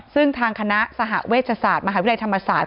ซึ่งทางคณะสหเวชศาสตร์มหาวิทยาลัยธรรมศาสตร์